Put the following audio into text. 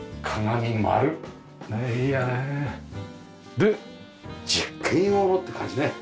で実験用のって感じね。